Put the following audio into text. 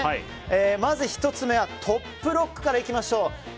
まず１つ目はトップロックからいきましょう。